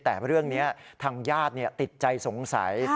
แต่เรื่องนี้ทางญาติติดใจสงสัย